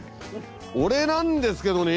俺なんですけどね。